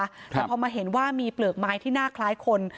แต่พอมาเห็นว่ามีเปลือกไม้ที่หน้าคล้ายคน